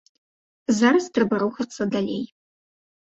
Зараз трэба рухацца далей.